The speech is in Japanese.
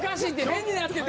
変になってる。